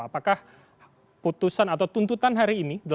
apakah putusan atau tuntutan hari ini